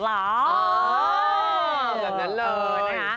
อ๋ออย่างนั้นเลย